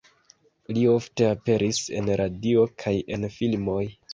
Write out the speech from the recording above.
Li ofte aperis en radio kaj en filmoj.